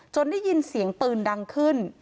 ได้ยินเสียงปืนดังขึ้น